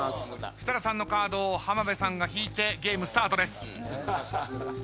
設楽さんのカードを浜辺さんが引いてゲームスタートです。